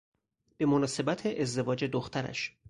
به مناسبت ازدواج دخترش